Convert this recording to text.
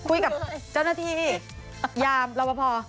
คุยกับเจ้าหน้าที่ยามรอบพอ